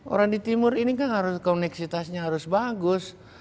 orang di timur ini kan harus koneksitasnya harus bagus